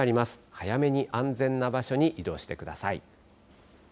早めに安全な場所に移動してください。